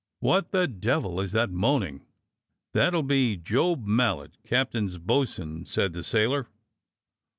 What the devil is that moaning.^ " "That'll be Job Mallet, captain's bo'sun," said the sailor.